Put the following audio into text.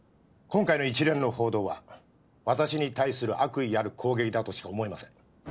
今回の一連の報道は私に対する悪意ある攻撃だとしか思えません。